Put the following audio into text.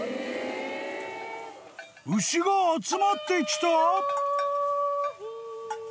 ［牛が集まってきた？］